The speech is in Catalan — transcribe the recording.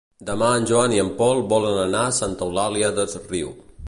Demà en Joan i en Pol volen anar a Santa Eulària des Riu.